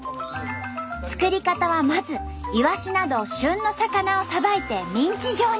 作り方はまずいわしなど旬の魚をさばいてミンチ状に。